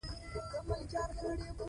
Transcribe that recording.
په دې خبره دې سر خلاص کړه .